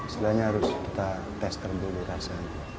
setelahnya harus kita tester dulu rasa